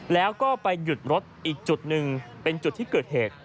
แล้วก็ไปหยุดรถอีกจุดหนึ่งเป็นจุดที่เกิดเหตุ